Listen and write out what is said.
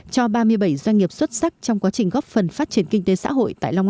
cho ba mươi bảy doanh nghiệp xuất sắc trong quá trình góp phần phát triển kinh tế xã hội tại long an